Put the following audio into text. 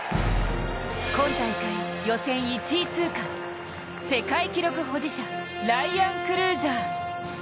今大会、予選１位通過、世界記録保持者、ライアン・クルーザー。